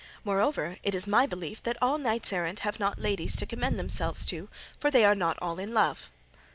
Moreover, it is my belief that all knights errant have not ladies to commend themselves to, for they are not all in love."